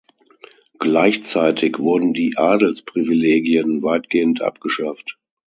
Gleichzeitig wurden die Adelsprivilegien weitgehend abgeschafft.